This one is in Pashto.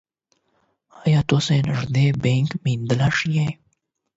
ایا تاسو نږدې بانک موندلی شئ؟